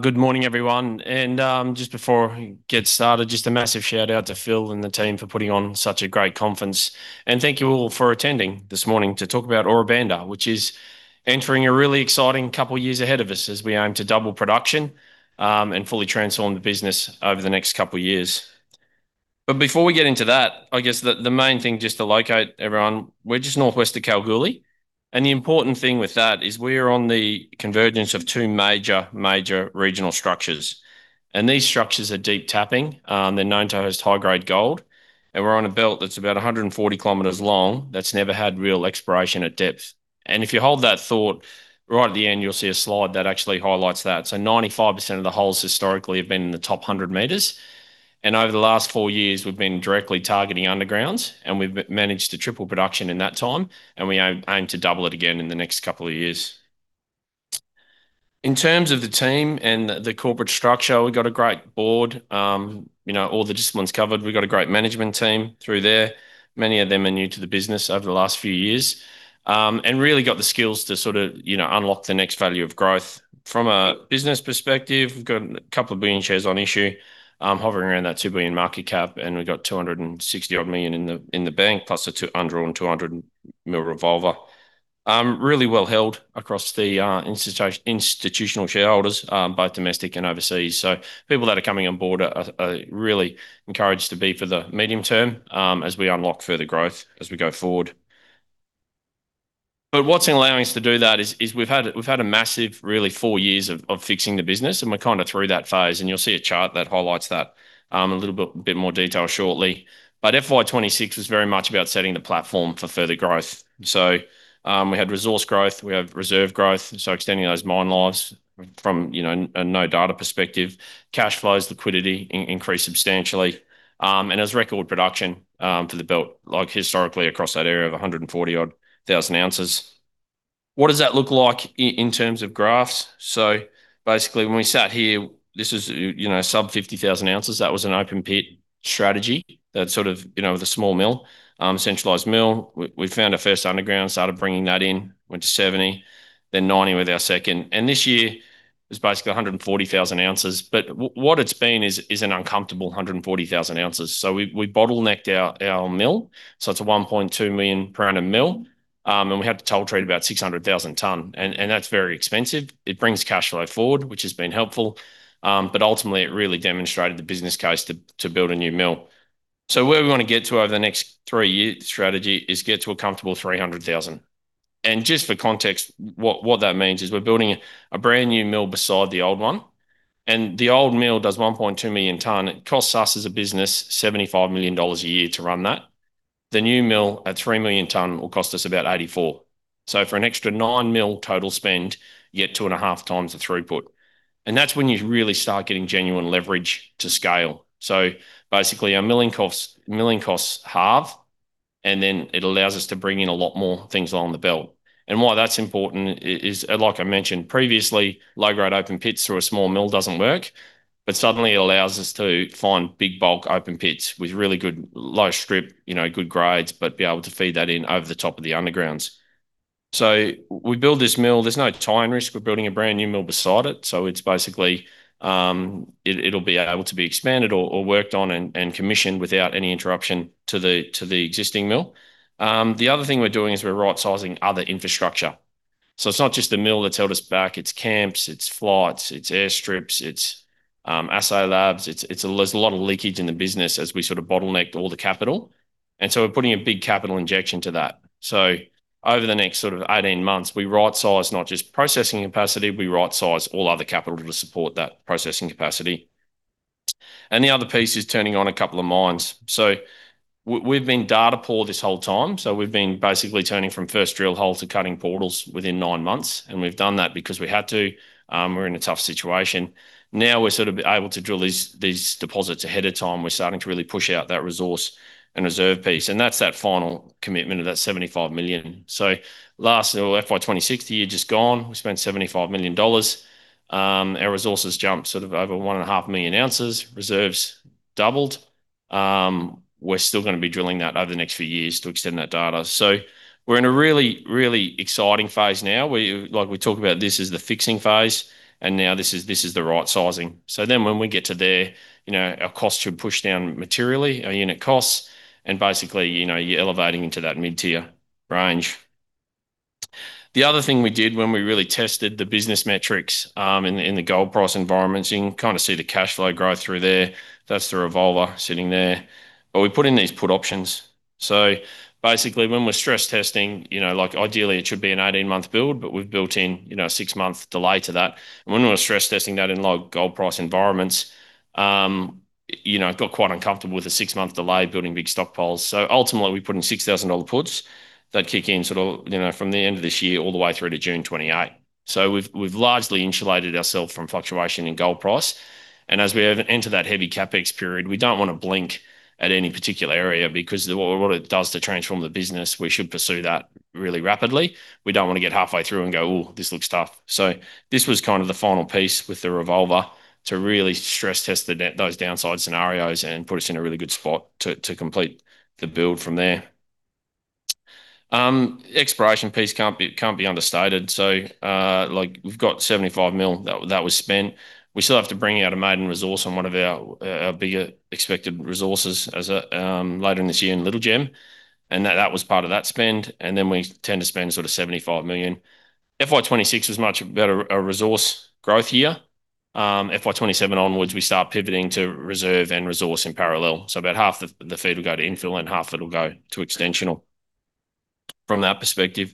Good morning, everyone. Just before we get started, just a massive shout-out to Phil and the team for putting on such a great conference. Thank you all for attending this morning to talk about Ora Banda, which is entering a really exciting couple of years ahead of us as we aim to double production and fully transform the business over the next couple of years. Before we get into that, I guess the main thing just to locate everyone, we're just northwest of Kalgoorlie. The important thing with that is we're on the convergence of two major regional structures. These structures are deep tapping. They're known to host high-grade gold, and we're on a belt that's about 140 kilometers long that's never had real exploration at depth. If you hold that thought, right at the end, you'll see a slide that actually highlights that. 95% of the holes historically have been in the top 100 meters. Over the last four years, we've been directly targeting underground, and we've managed to triple production in that time, and we aim to double it again in the next couple of years. In terms of the team and the corporate structure, we've got a great board. All the disciplines covered. We've got a great management team through there. Many of them are new to the business over the last few years, and really got the skills to sort of unlock the next value of growth. From a business perspective, we've got a couple of billion shares on issue hovering around that 2 billion market cap. We've got 260 million in the bank, plus the undrawn 200 million revolver. Really well held across the institutional shareholders, both domestic and overseas. People that are coming on board are really encouraged to be for the medium term as we unlock further growth as we go forward. What's allowing us to do that is we've had a massive really four years of fixing the business and we're kind of through that phase, and you'll see a chart that highlights that in a little bit more detail shortly. FY 2026 was very much about setting the platform for further growth. We had resource growth, we have reserve growth, so extending those mine lives from a no data perspective. Cash flows, liquidity increased substantially. It was record production for the belt, like historically across that area of 140,000 ounces. What does that look like in terms of graphs? Basically, when we sat here, this was sub 50,000 ounces. That was an open pit strategy that sort of, with a small mill, centralized mill. We found our first underground, started bringing that in, went to 70, then 90 with our second. This year it was basically 140,000 ounces. What it's been is an uncomfortable 140,000 ounces. We bottlenecked our mill. It's a 1.2 million per annum mill. We had to toll treat about 600,000 ton. That's very expensive. It brings cash flow forward, which has been helpful. Ultimately, it really demonstrated the business case to build a new mill. Where we want to get to over the next three years strategy is get to a comfortable 300,000. Just for context, what that means is we're building a brand new mill beside the old one. The old mill does 1.2 million ton. It costs us as a business 75 million dollars a year to run that. The new mill at 3 million ton will cost us about 84 million. For an extra 9 million total spend, you get two and a half times the throughput. That's when you really start getting genuine leverage to scale. Basically, our milling costs halve, and then it allows us to bring in a lot more things along the belt. Why that's important is, like I mentioned previously, low-grade open pits through a small mill doesn't work. Suddenly it allows us to find big bulk open pits with really good low strip, good grades, but be able to feed that in over the top of the undergrounds. We build this mill. There's no tie-in risk. We're building a brand new mill beside it. It's basically, it'll be able to be expanded or worked on and commissioned without any interruption to the existing mill. The other thing we're doing is we're right-sizing other infrastructure. It's not just the mill that's held us back, it's camps, it's flights, it's airstrips, it's assay labs. There's a lot of leakage in the business as we sort of bottlenecked all the capital. We're putting a big capital injection to that. Over the next sort of 18 months, we right-size not just processing capacity, we right-size all other capital to support that processing capacity. The other piece is turning on a couple of mines. We've been data poor this whole time. We've been basically turning from first drill hole to cutting portals within nine months, and we've done that because we had to. We're in a tough situation. Now we're sort of able to drill these deposits ahead of time. We're starting to really push out that resource and reserve piece, and that's that final commitment of that 75 million. Last, or FY 2026, the year just gone, we spent 75 million dollars. Our resources jumped sort of over one and a half million ounces. Reserves doubled. We're still going to be drilling that over the next few years to extend that data. We're in a really, really exciting phase now. Like we talk about this is the fixing phase, and now this is the right sizing. When we get to there, our costs should push down materially, our unit costs, and basically, you're elevating into that mid-tier range. The other thing we did when we really tested the business metrics, in the gold price environments, you can kind of see the cash flow growth through there. That's the revolver sitting there. We put in these put options. Basically, when we're stress testing, like ideally it should be an 18-month build, but we've built in a six-month delay to that. When we were stress testing that in low gold price environments, it got quite uncomfortable with a six-month delay building big stockpiles. Ultimately, we put in 6,000 dollar put options that kick in sort of from the end of this year all the way through to June 2028. We've largely insulated ourselves from fluctuation in gold price. As we enter that heavy CapEx period, we do not want to blink at any particular area because what it does to transform the business, we should pursue that really rapidly. We do not want to get halfway through and go, "Ooh, this looks tough." This was kind of the final piece with the revolver to really stress test those downside scenarios and put us in a really good spot to complete the build from there. Exploration piece can't be understated. We've got 75 million that was spent. We still have to bring out a maiden resource on one of our bigger expected resources later in this year in Little Gem. That was part of that spend. Then we intend to spend sort of 75 million. FY 2026 was much of about a resource growth year. FY 2027 onwards, we start pivoting to reserve and resource in parallel. About half the feed will go to infill, and half of it'll go to extensional from that perspective.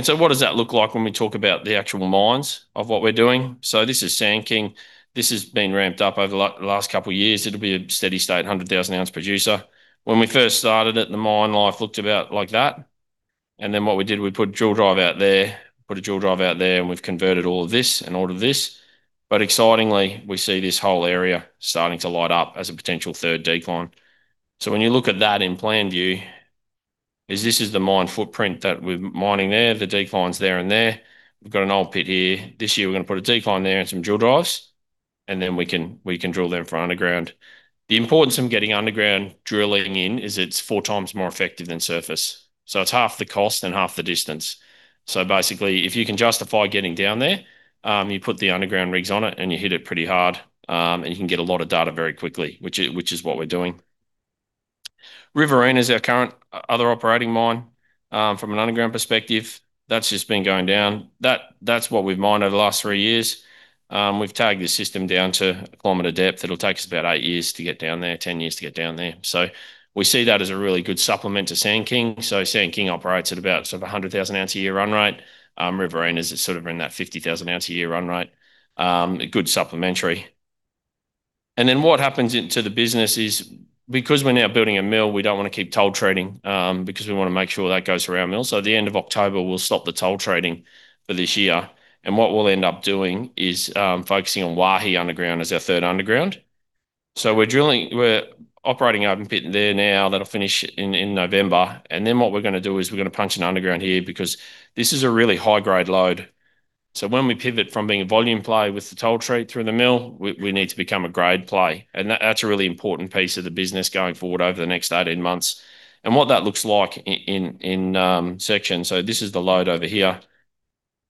So what does that look like when we talk about the actual mines of what we're doing? This is Sand King. This has been ramped up over the last couple of years. It'll be a steady state 100,000-ounce producer. When we first started it, the mine life looked about like that. Then what we did, we put a drill drive out there, put a drill drive out there, and we've converted all of this and all of this. Excitingly, we see this whole area starting to light up as a potential third decline. When you look at that in plan view is this is the mine footprint that we're mining there, the decline is there and there. We've got an old pit here. This year, we're going to put a decline there and some drill drives, and then we can drill them for underground. The importance of getting underground drilling in is it's four times more effective than surface, so it's half the cost and half the distance. Basically, if you can justify getting down there, you put the underground rigs on it and you hit it pretty hard, and you can get a lot of data very quickly, which is what we're doing. Riverina is our current other operating mine. From an underground perspective, that's just been going down. That is what we've mined over the last three years. We've tagged the system down to a kilometer depth. It will take us about 10 years to get down there. We see that as a really good supplement to Sand King. Sand King operates at about sort of 100,000 ounce a year run rate. Riverina is sort of in that 50,000 ounce a year run rate. It's a good supplementary. Then what happens to the business is because we are now building a mill, we do not want to keep toll treating, because we want to make sure that goes through our mill. At the end of October, we will stop the toll treating for this year. What we will end up doing is focusing on Waihi Underground as our third underground. We are operating open pit there now. That will finish in November. What we're going to do is we're going to punch an underground here because this is a really high-grade lode. When we pivot from being a volume play with the toll treat through the mill, we need to become a grade play. That's a really important piece of the business going forward over the next 18 months. What that looks like in section, this is the lode over here.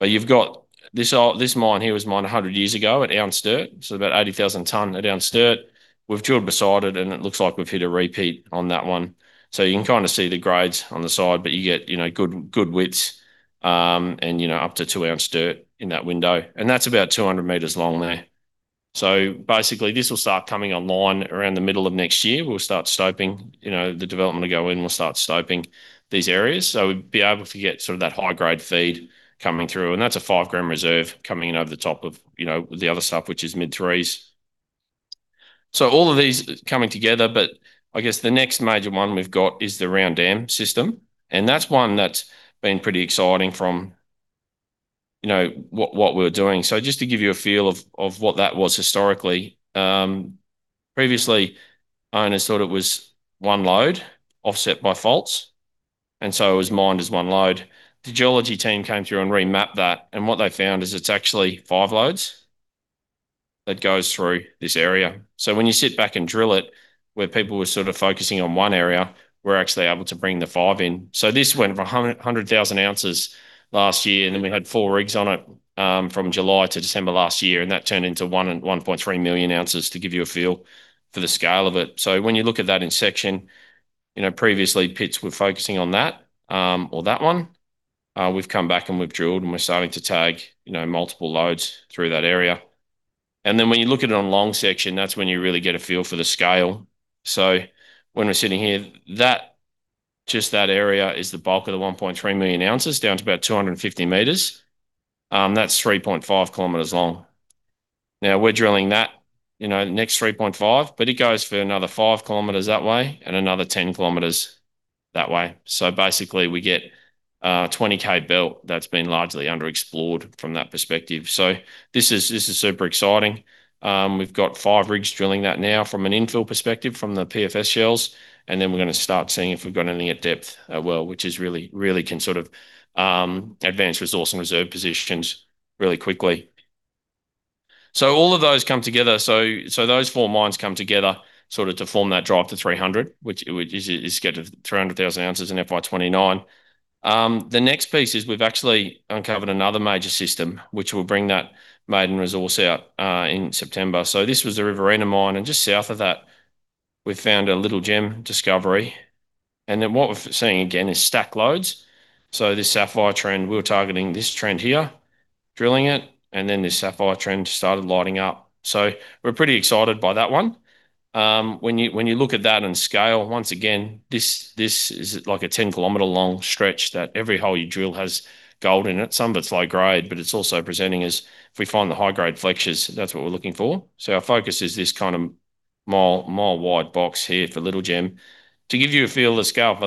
You've got this mine here was mined 100 years ago at ounce dirt, about 80,000 tons at ounce dirt. We've drilled beside it, and it looks like we've hit a repeat on that one. You can kind of see the grades on the side, but you get good widths, and up to 2 ounce dirt in that window. That's about 200 meters long there. Basically, this will start coming online around the middle of next year. The development will go in, we'll start stoping these areas. We'd be able to get sort of that high-grade feed coming through, and that's a 5-gram reserve coming in over the top of the other stuff, which is mid-3s. All of these coming together, but I guess the next major one we've got is the Round Dam system, and that's one that's been pretty exciting from what we're doing. Just to give you a feel of what that was historically, previously owners thought it was one lode offset by faults, and it was mined as one lode. The geology team came through and remapped that, and what they found is it's actually five lodes that goes through this area. When you sit back and drill it, where people were sort of focusing on one area, we're actually able to bring the five in. This went from 100,000 ounces last year, and we had four rigs on it from July to December last year, and that turned into 1.3 million ounces to give you a feel for the scale of it. When you look at that in section, previously pits were focusing on that, or that 1. We've come back and we've drilled, and we're starting to tag multiple lodes through that area. When you look at it on long section, that's when you really get a feel for the scale. When we're sitting here, just that area is the bulk of the 1.3 million ounces down to about 250 meters. That's 3.5 kilometers long. We're drilling that next 3.5, but it goes for another 5 kilometers that way and another 10 kilometers that way. Basically, we get a 20K belt that's been largely underexplored from that perspective. This is super exciting. We've got five rigs drilling that now from an infill perspective from the PFS shells, and then we're going to start seeing if we've got anything at depth at well, which really can sort of advance resource and reserve positions really quickly. All of those come together. Those four mines come together sort of to form that drive to 300, which is to get to 300,000 ounces in FY 2029. The next piece is we've actually uncovered another major system which will bring that maiden resource out in September. This was the Riverina mine, and just south of that we've found a Little Gem discovery. What we're seeing again is stack lodes. This Sapphire Trend, we were targeting this trend here, drilling it, and then this Sapphire Trend started lighting up. We're pretty excited by that one. When you look at that in scale, once again, this is like a 10-kilometer-long stretch that every hole you drill has gold in it. Some of it's low grade, but it's also presenting as if we find the high-grade flexures, that's what we're looking for. Our focus is this kind of mile-wide box here for Little Gem. To give you a feel of scale for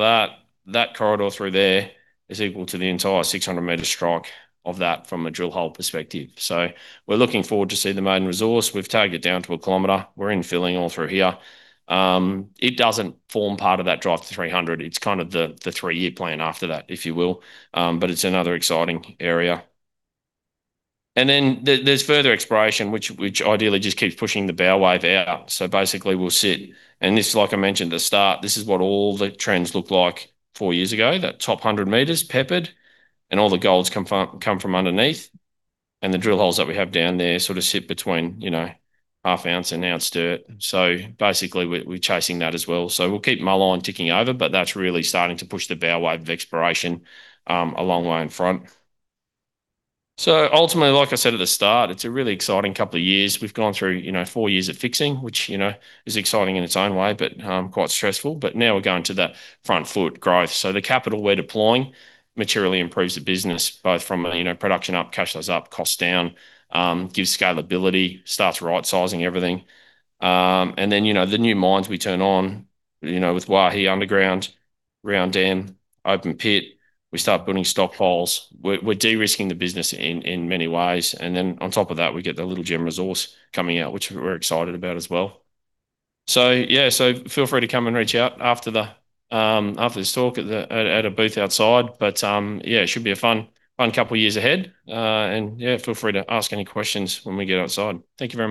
that corridor through there is equal to the entire 600-meter strike of that from a drill hole perspective. We're looking forward to see the maiden resource. We've tagged it down to a kilometer. We're infilling all through here. It doesn't form part of that drive to 300. It's kind of the three-year plan after that, if you will. It's another exciting area. There's further exploration, which ideally just keeps pushing the bow wave out. Basically we'll sit, and this, like I mentioned at the start, this is what all the trends looked like four years ago, that top 100 meters peppered, and all the golds come from underneath. The drill holes that we have down there sort of sit between half ounce and ounce dirt. Basically, we'll sit, and this, like I mentioned at the start, this is what all the trends looked like four years ago, that top 100 meters peppered, and all the golds come from underneath. The drill holes that we have down there sort of sit between half ounce and ounce dirt. Basically, we're chasing that as well. We'll keep mullock ticking over, but that's really starting to push the bow wave of exploration a long way in front. Ultimately, like I said at the start, it's a really exciting couple of years. We've gone through four years of fixing, which is exciting in its own way, but quite stressful. Now we're going to the front foot growth. The capital we're deploying materially improves the business both from a production up, cash flows up, costs down, gives scalability, starts right-sizing everything. The new mines we turn on with Waihi Underground, Round Dam, open pit, we start building stockpiles. We're de-risking the business in many ways. On top of that, we get the Little Gem resource coming out, which we're excited about as well. Yeah. Feel free to come and reach out after this talk at a booth outside. Yeah, it should be a fun couple of years ahead. Yeah, feel free to ask any questions when we get outside. Thank you very much.